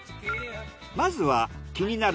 まずは気になる